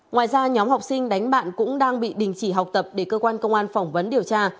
ngoài ra nhóm học sinh đánh bạn cũng đang bị đình chỉ học tập để cơ quan công an phỏng vấn điều tra